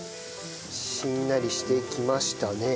しんなりしてきましたね。